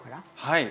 はい。